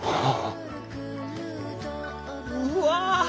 うわ！